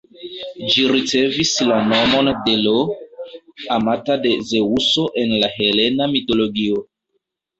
Ĝi ricevis la nomon de Io, amata de Zeŭso en la helena mitologio.